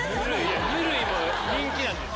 「ぬるい」の人気なんです。